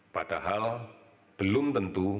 padahal belum tentu mempunyai